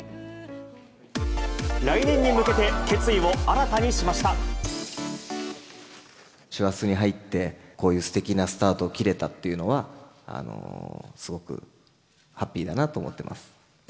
来年に向けて、決意を新たに師走に入って、こういうすてきなスタートを切れたっていうのは、すごくハッピーだなと思っております。